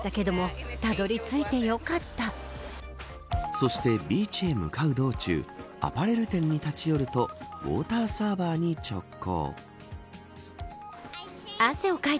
そしてビーチへ向かう道中アパレル店に立ち寄るとウオーターサーバーに直行。